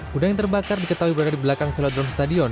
gudang yang terbakar diketahui berada di belakang velodrome stadion